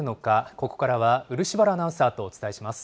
ここからは漆原アナウンサーとお伝えします。